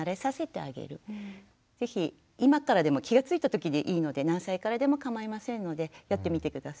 ぜひ今からでも気が付いたときでいいので何歳からでもかまいませんのでやってみて下さい。